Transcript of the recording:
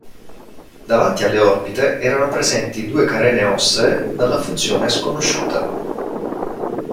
Davanti alle orbite erano presenti due carene ossee, dalla funzione sconosciuta.